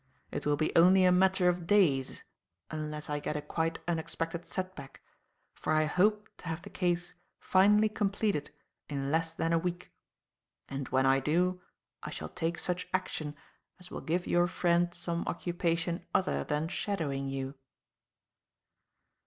It will be only a matter of days unless I get a quite unexpected set back, for I hope to have the case finally completed in less than a week; and when I do, I shall take such action as will give your friend some occupation other than shadowing you."